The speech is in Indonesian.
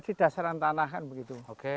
di dasaran tanah kan begitu